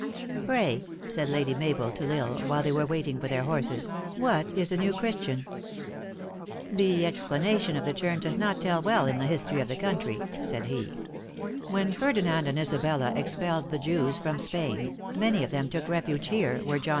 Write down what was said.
" Pray," said Lady Mabel to L Isle, while they were waiting for their horses, " what is a New Chris tian ?"" The explanation of the term does not tell well in the history of the country," said he. " When Fer dinand arid Isabella expelled the Jews from Spain, many of them took refuge here, where John II.